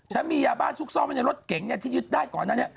ฉันมียาบ้านซุกซ่อมไว้ในรถเก๋งที่ยึดได้ก่อนนั้น